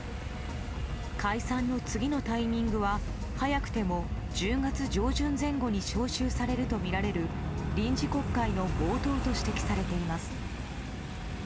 解散の次のタイミングは早くても１０月上旬前後に召集されるとみられる臨時国会の冒頭と指摘されています。